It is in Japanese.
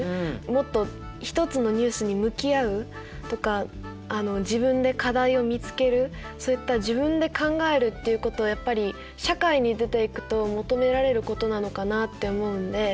もっと一つのニュースに向き合うとか自分で課題を見つけるそういった自分で考えるっていうことをやっぱり社会に出ていくと求められることなのかなって思うんで。